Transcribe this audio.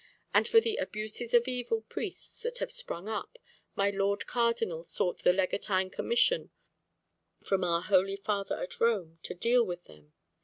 And for the abuses of evil priests that have sprung up, my Lord Cardinal sought the Legatine Commission from our holy father at Rome to deal with them.